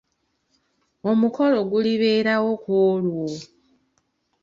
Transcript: Omukolo gulibeeerawo ku olwo.